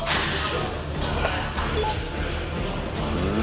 うん。